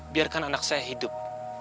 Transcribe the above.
biarkan anak saya hidup